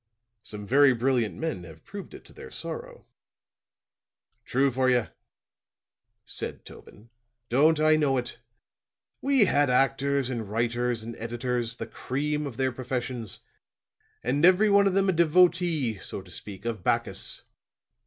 "Some very brilliant men have proved it to their sorrow." "True for ye," said Tobin. "Don't I know it? We had actors and writers and editors the cream of their professions and every one of them a devotee, so to speak, of Bacchus.